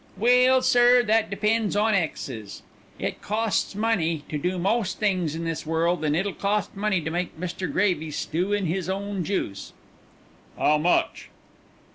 "Well, sir, that depends on exes. It costs money to do most things in this world, and it'll cost money to make Mr. Gravy stew in his own juice." "How much?"